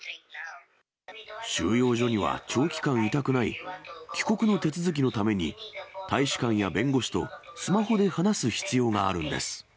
収容所には長期間いたくない、帰国の手続きのために大使館や弁護士とスマホで話す必要があるんです。